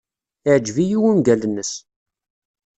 Iɛjeb-iyi wungal-nnes.